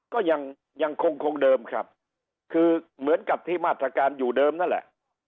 ก็ยังยังคงคงเดิมครับคือเหมือนกับที่มาตรการอยู่เดิมนั่นแหละ